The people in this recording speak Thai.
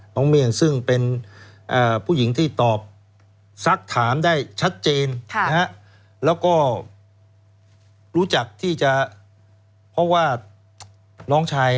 น้องเมี่ยงซึ่งเป็นผู้หญิงที่ตอบสักถามได้ชัดเจน